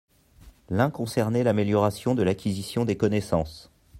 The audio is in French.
L’un concernait l’amélioration de l’acquisition des connaissances.